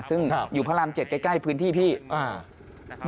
ซึ่งอยู่พระราม๗ใกล้พื้นที่พี่อ่า